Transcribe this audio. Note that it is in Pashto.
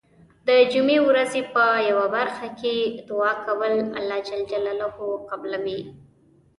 د جمعې ورځې په یو برخه کې دعا کول الله ج قبلوی .